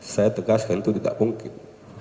saya tegaskan itu tidak mungkin